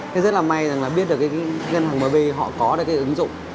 thế rất là may rằng là biết được cái ngân hàng mv họ có cái ứng dụng